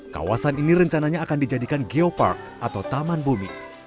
kawasan ini rencananya akan dijadikan geopark atau tamang